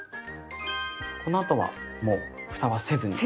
このあとはもうふたはせずに。